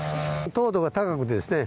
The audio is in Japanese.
糖度が高くてですね